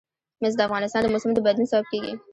مس د افغانستان د موسم د بدلون سبب کېږي.